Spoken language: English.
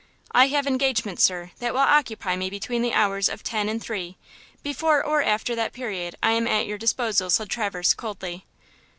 "I have engagements, sir, that will occupy me between the hours of ten and three; before or after that period I am at your disposal," said Traverse, coldly.